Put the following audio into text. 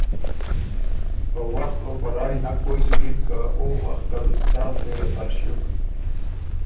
په وخت او په رایٛ نک پویٛ سُکِن که او وختل څا سېره تر ݭیوک